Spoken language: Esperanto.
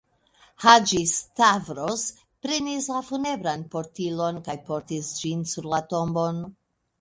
Haĝi-Stavros prenis la funebran portilon kaj portis ĝin sur la tombon.